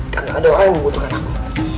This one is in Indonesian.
karena ada orang yang membutuhkan aku